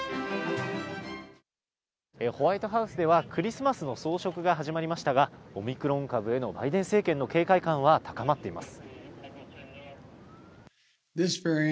ホワイトハウスでは、クリスマスの装飾が始まりましたが、オミクロン株へのバイデン政権の警戒感は高まっています。